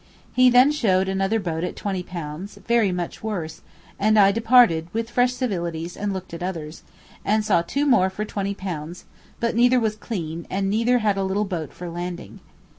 He then showed another boat at £20, very much worse, and I departed (with fresh civilities) and looked at others, and saw two more for £20; but neither was clean, and neither had a little boat for landing.